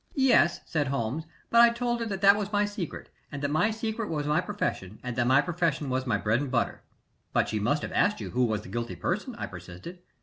"Yes," said Holmes. "But I told her that that was my secret, that my secret was my profession, and that my profession was my bread and butter." "But she must have asked you who was the guilty person?" I persisted.